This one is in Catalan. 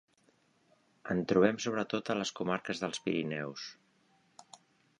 En trobem sobretot a les comarques dels Pirineus.